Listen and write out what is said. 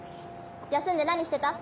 休んで何してた？